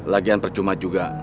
lagian percuma juga